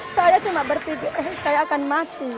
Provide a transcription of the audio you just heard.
saya cuma berpikir eh saya akan mati